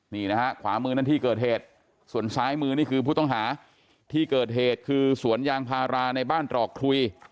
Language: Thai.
นี่นะฮะขวามือนั่นที่เกิดเหตุส่วนซ้ายมือนี่คือผู้ต้องหาที่เกิดเหตุคือสวนยางพาราในบ้านตรอกครุย